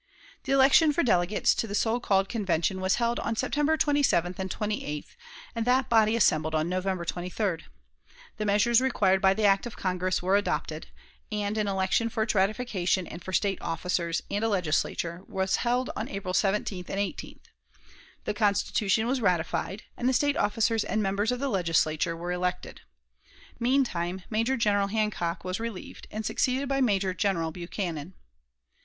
The election for delegates to the so called Convention was held on September 27th and 28th, and that body assembled on November 23d. The measures required by the act of Congress were adopted, and an election for its ratification and for State officers, and a Legislature, was held on April 17th and 18th. The Constitution was ratified, and the State officers and members of the Legislature were elected. Meantime Major General Hancock was relieved, and succeeded by Major General Buchanan.